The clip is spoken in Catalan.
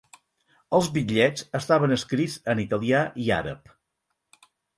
Els bitllets estaven escrits en italià i àrab.